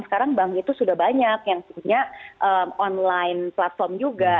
sekarang bank itu sudah banyak yang punya online platform juga